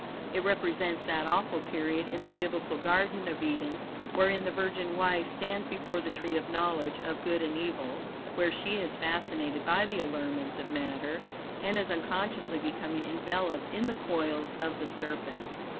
It represents that awful period in the Biblical Garden of Eden, wherein the VIRGIN WIFE stands before the tree of knowledge, of good and evil, where she is fascinated by the allurements of matter and is unconsciously becoming enveloped in the coils of the serpent.